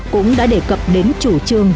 cũng đã đề cập đến chủ trương